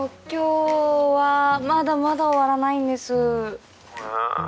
今日はぁまだまだ終わらないんですぅ。